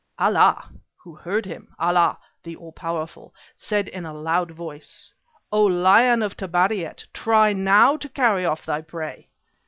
Allah, who heard him, Allah, the All powerful, said in a loud voice, 'O lion of Tabariat, try now to carry off thy prey!'